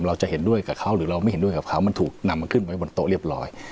เราจะเห็นด้วยกับเขาหรือเราไม่เห็นด้วยกับเขามันถูกนำมาขึ้นไว้บนโต๊ะเรียบร้อย